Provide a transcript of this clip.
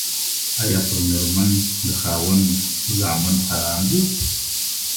آيا پر ميرمن د خاوند زامن حرام دي؟